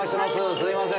すいません。